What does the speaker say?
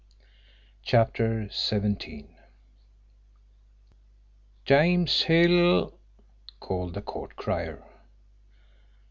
CHAPTER XVII "James Hill!" called the court crier.